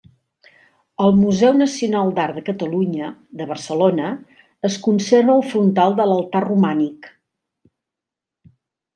Al Museu Nacional d'Art de Catalunya, de Barcelona, es conserva el frontal de l'altar romànic.